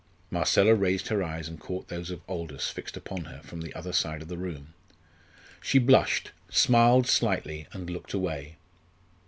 Marcella raised her eyes and caught those of Aldous fixed upon her from the other side of the room. She blushed, smiled slightly, and looked away.